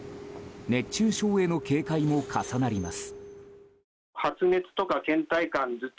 熱中症への警戒も重なります。